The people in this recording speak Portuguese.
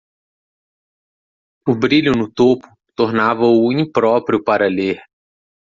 O brilho no topo tornava-o impróprio para ler.